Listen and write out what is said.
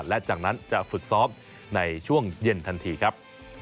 และจากนั้นจะฝึกซ้อมในช่วงเย็นทันทีครับ